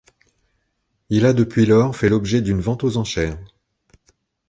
Il a depuis lors fait l'objet d'une vente aux enchères.